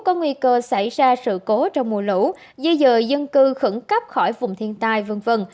có nguy cơ xảy ra sự cố trong mùa lũ di dời dân cư khẩn cấp khỏi vùng thiên tai v v